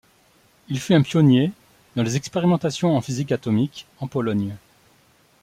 Il fut un pionnier dans les expérimentations en physique atomique en Pologne.